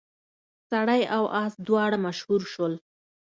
سړی او اس دواړه مشهور شول.